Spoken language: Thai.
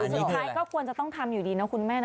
อันนี้คล้ายก็ต้องทำอยู่ดีนะคุณแม่